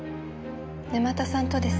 沼田さんとです。